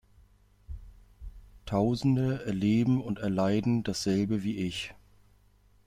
Tausende erleben und erleiden dasselbe wie ich.